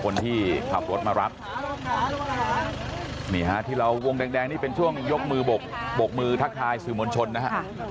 นี่ฮะที่เราวงแดงนี่เป็นช่วงยกมือบกมือทักทายสื่อมณชนนะฮะ